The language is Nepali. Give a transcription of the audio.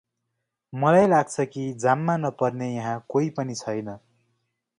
मलाई लाग्छ कि जाममा नपर्ने यहाँ कोहि पनि छैन ।